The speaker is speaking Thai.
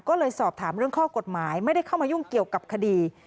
ก็เลยสอบถามเรื่องข้อกฎหมายไม่ได้เข้ามายุ่งเกี่ยวกับคดี